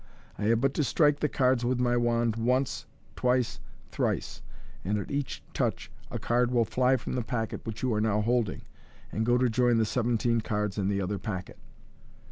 I have but to strike the cards with my wand once, twice, thrice, and at each touch a card will fly from the packet which you are now holding, and go to join the seventeen cards in the other packet.